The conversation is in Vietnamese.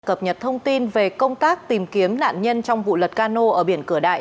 cập nhật thông tin về công tác tìm kiếm nạn nhân trong vụ lật cano ở biển cửa đại